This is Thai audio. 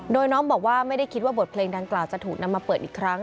โดยน้องบอกว่าไม่ได้คิดว่าบทเพลงดังกล่าวจะถูกนำมาเปิดอีกครั้ง